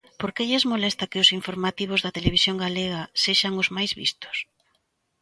¿Por que lles molesta que os informativos da Televisión galega sexan os máis vistos?